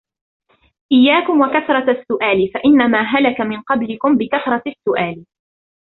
إيَّاكُمْ وَكَثْرَةَ السُّؤَالِ فَإِنَّمَا هَلَكَ مَنْ قَبْلَكُمْ بِكَثْرَةِ السُّؤَالِ